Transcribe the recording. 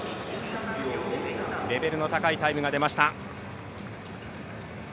レベルの高いタイムが出ました。